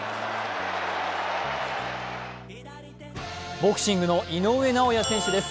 ボクシングの井上尚弥選手です。